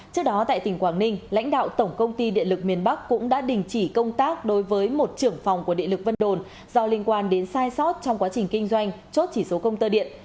trước đó tại tỉnh quảng ninh lãnh đạo tổng công ty điện lực miền bắc cũng đã đình chỉ công tác đối với một trưởng phòng của địa lực vân đồn do liên quan đến sai sót trong quá trình kinh doanh chốt chỉ số công tơ điện